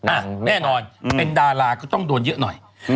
แน่นอนเป็นดาราก็ต้องโดนเยอะหน่อย